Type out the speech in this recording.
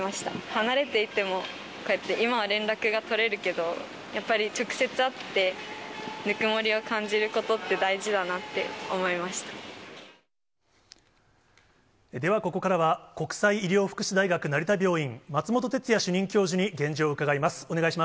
離れていても、こうやって今は連絡が取れるけど、やっぱり直接会って、ぬくもりを感じることって大事だなって思いではここからは、国際医療福祉大学成田病院、松本哲哉主任教授に現状を伺います。